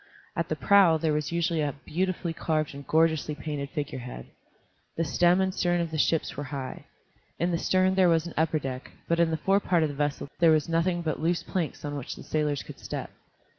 At the prow there was usually a beautifully carved and gorgeously painted figurehead. The stem and stern of the ships were high. In the stern there was an upper deck, but in the forepart of the vessel there was nothing but loose planks on which the sailors could step.